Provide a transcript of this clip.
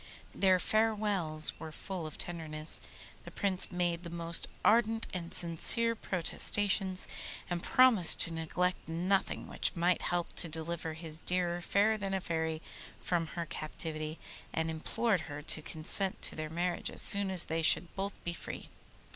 Their farewells were full of tenderness; the Prince made the most ardent and sincere protestations, and promised to neglect nothing which might help to deliver his dear Fairer than a Fairy from her captivity, and implored her to consent to their marriage as soon as they should both be free.